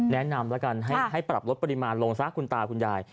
แนะนำแล้วกันให้ปรับลดปริมาณลงซะคุณตาคุณยาย